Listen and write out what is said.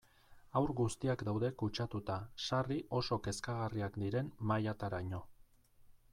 Haur guztiak daude kutsatuta, sarri oso kezkagarriak diren mailataraino.